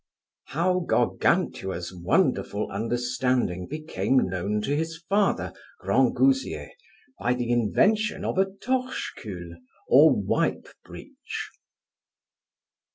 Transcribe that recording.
How Gargantua's wonderful understanding became known to his father Grangousier, by the invention of a torchecul or wipebreech.